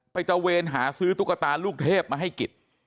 ไปเจ้าเวรหาซื้อตุ๊กตาลูกเทพมาให้กิต